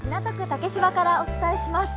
竹芝からお伝えします。